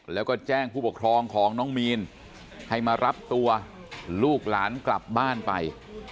แล้วก็แจ้งผู้ปกครองของน้องมีนให้มารับตัวลูกหลานกลับบ้านไป